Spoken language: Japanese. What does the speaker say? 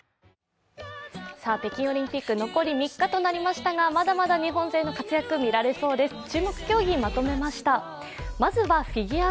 北京オリンピック残り３日となりましたがまだまだ日本勢の活躍、見られそうです。